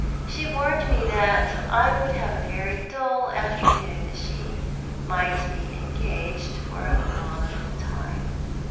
She warned me that I would have a very dull afternoon, as she might be engaged for a long time.